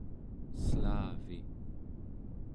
S'laavi